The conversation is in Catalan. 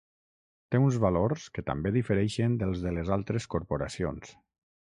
Té uns valors que també difereixen dels de les altres corporacions.